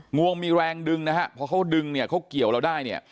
งวงมีแรงดึงนะฮะพอเขาดึงเนี่ยเขาเกี่ยวเราได้เนี่ย